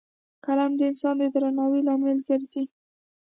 قلم د انسان د درناوي لامل ګرځي